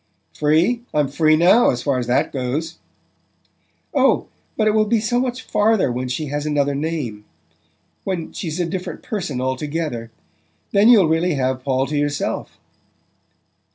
"Free? I'm free now, as far as that goes!" "Oh, but it will go so much farther when she has another name when she's a different person altogether! Then you'll really have Paul to yourself."